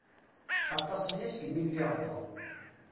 Aṭas-aya segmi lliɣ da.